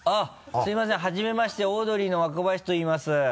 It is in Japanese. すみませんはじめましてオードリーの若林といいます。